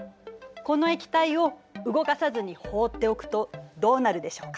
この液体を動かさずに放っておくとどうなるでしょうか。